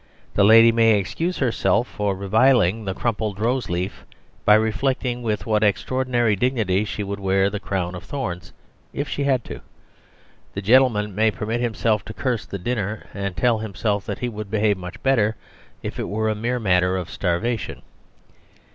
The lady may excuse herself for reviling the crumpled rose leaf by reflecting with what extraordinary dignity she would wear the crown of thorns if she had to. The gentleman may permit himself to curse the dinner and tell himself that he would behave much better if it were a mere matter of starvation.